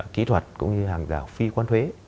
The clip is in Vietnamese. kỹ thuật cũng như hàng rào phi quan huế